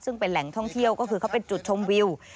ซึ่งเป็นแหล่งท่องเที่ยวก็คือเขาเป็นจุดชมวิว